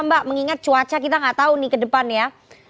mengingat cuaca kita nggak tahu ke depan ya